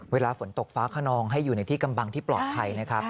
เวลาฝนตกฟ้าขนองให้อยู่ในที่กำบังที่ปลอดภัยนะครับ